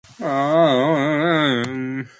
He is pulling up the video now.